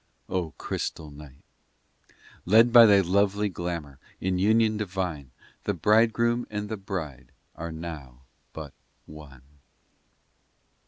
XII O crystal night ! Led by thy lovely glamour, In union divine, The Bridegroom and the bride Are now but one.